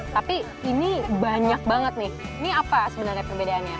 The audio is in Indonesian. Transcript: tapi ini banyak banget nih ini apa sebenarnya perbedaannya